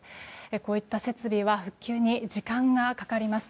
こうした設備は復旧に時間がかかります。